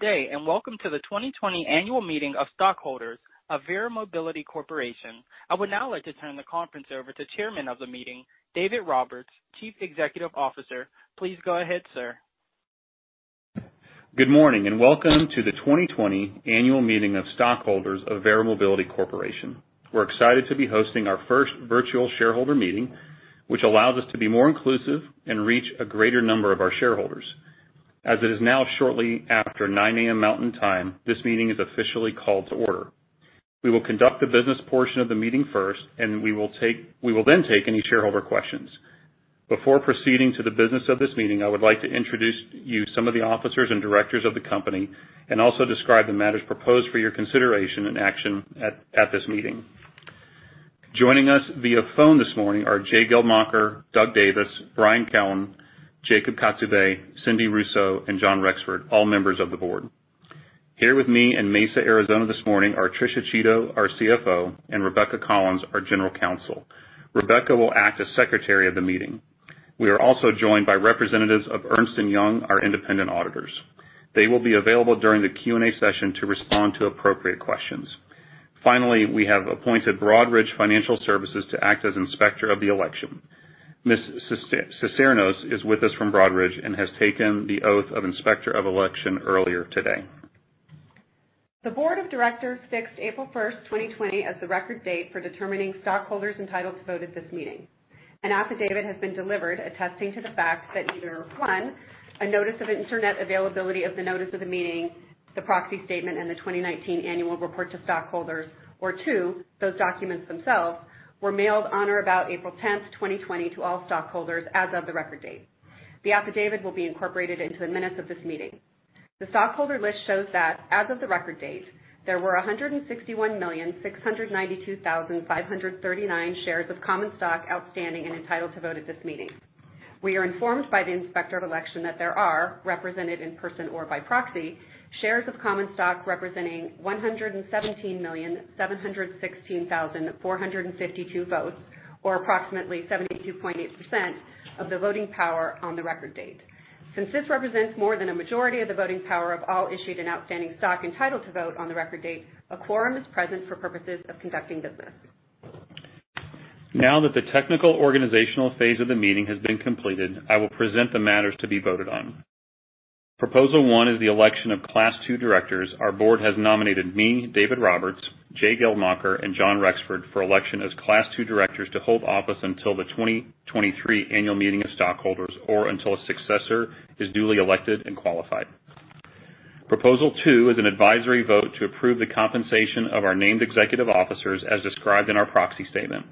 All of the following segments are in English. Today, welcome to the 2020 annual meeting of stockholders of Verra Mobility Corporation. I would now like to turn the conference over to Chairman of the Meeting, David Roberts, Chief Executive Officer. Please go ahead, sir. Good morning, welcome to the 2020 annual meeting of stockholders of Verra Mobility Corporation. We're excited to be hosting our first virtual shareholder meeting, which allows us to be more inclusive and reach a greater number of our shareholders. As it is now shortly after 9:00 A.M. Mountain Time, this meeting is officially called to order. We will conduct the business portion of the meeting first, we will then take any shareholder questions. Before proceeding to the business of this meeting, I would like to introduce to you some of the officers and directors of the company, also describe the matters proposed for your consideration and action at this meeting. Joining us via phone this morning are Jay Geldmacher, Douglas L. Davis, Brian Cowan, Jacob Kotzubei, Cynthia A. Russo, and John Rexford, all members of the board. Here with me in Mesa, Arizona this morning are Patricia Chiodo, our CFO, and Rebecca Collins, our General Counsel. Rebecca will act as secretary of the meeting. We are also joined by representatives of Ernst & Young, our independent auditors. They will be available during the Q&A session to respond to appropriate questions. Finally, we have appointed Broadridge Financial Solutions to act as inspector of the election. Ms. Cisneros is with us from Broadridge Financial Solutions and has taken the oath of inspector of election earlier today. The board of directors fixed April first, 2020, as the record date for determining stockholders entitled to vote at this meeting. An affidavit has been delivered attesting to the fact that either, one, a notice of internet availability of the notice of the meeting, the proxy statement, and the 2019 annual report to stockholders, or two, those documents themselves were mailed on or about April 10th, 2020, to all stockholders as of the record date. The affidavit will be incorporated into the minutes of this meeting. The stockholder list shows that as of the record date, there were 161,692,539 shares of common stock outstanding and entitled to vote at this meeting. We are informed by the inspector of election that there are, represented in person or by proxy, shares of common stock representing 117,716,452 votes, or approximately 72.8% of the voting power on the record date. Since this represents more than a majority of the voting power of all issued and outstanding stock entitled to vote on the record date, a quorum is present for purposes of conducting business. Now that the technical organizational phase of the meeting has been completed, I will present the matters to be voted on. Proposal one is the election of Class 2 directors. Our board has nominated me, David Roberts, Jay Geldmacher, and John Rexford for election as Class 2 directors to hold office until the 2023 annual meeting of stockholders or until a successor is duly elected and qualified. Proposal two is an advisory vote to approve the compensation of our named executive officers as described in our proxy statement.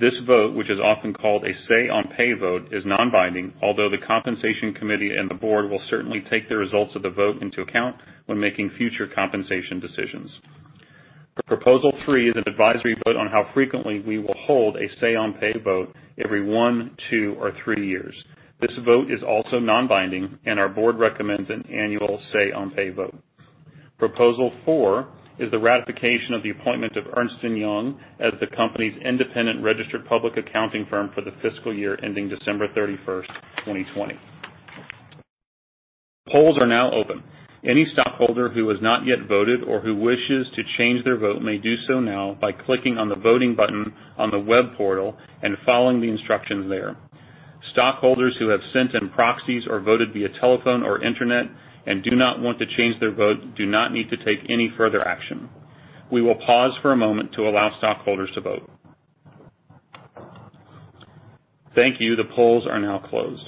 This vote, which is often called a say on pay vote, is non-binding, although the compensation committee and the board will certainly take the results of the vote into account when making future compensation decisions. The proposal three is an advisory vote on how frequently we will hold a say on pay vote every one, two, or three years. This vote is also non-binding, and our board recommends an annual say on pay vote. Proposal four is the ratification of the appointment of Ernst & Young as the company's independent registered public accounting firm for the fiscal year ending December 31st, 2020. Polls are now open. Any stockholder who has not yet voted or who wishes to change their vote may do so now by clicking on the voting button on the web portal and following the instructions there. Stockholders who have sent in proxies or voted via telephone or internet and do not want to change their vote do not need to take any further action. We will pause for a moment to allow stockholders to vote. Thank you. The polls are now closed.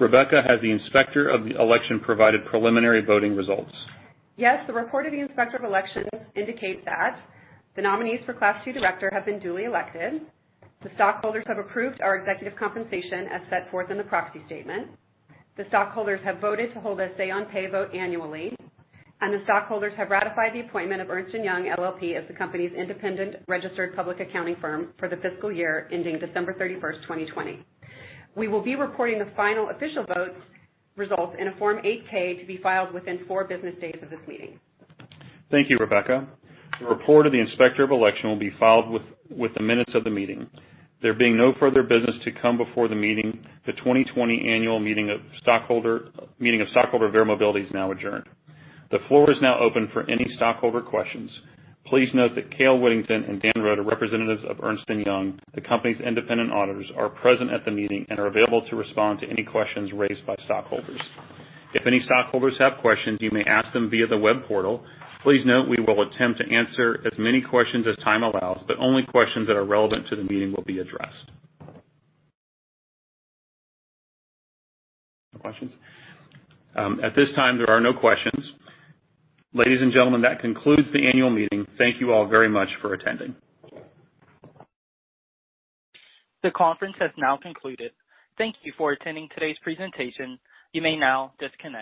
Rebecca, has the Inspector of Election provided preliminary voting results? Yes. The report of the inspector of elections indicates that the nominees for Class 2 director have been duly elected. The stockholders have approved our executive compensation as set forth in the proxy statement. The stockholders have voted to hold a say on pay vote annually. The stockholders have ratified the appointment of Ernst & Young LLP as the company's independent registered public accounting firm for the fiscal year ending December 31st, 2020. We will be reporting the final official votes results in a Form 8-K to be filed within four business days of this meeting. Thank you, Rebecca. The report of the inspector of election will be filed with the minutes of the meeting. There being no further business to come before the meeting, the 2020 annual meeting of stockholder of Verra Mobility Corporation is now adjourned. The floor is now open for any stockholder questions. Please note that Cale Whittington and Dan Rhodes, representatives of Ernst & Young, the company's independent auditors, are present at the meeting and are available to respond to any questions raised by stockholders. If any stockholders have questions, you may ask them via the web portal. Please note we will attempt to answer as many questions as time allows, but only questions that are relevant to the meeting will be addressed. No questions? At this time, there are no questions. Ladies and gentlemen, that concludes the annual meeting. Thank you all very much for attending. The conference has now concluded. Thank you for attending today's presentation. You may now disconnect.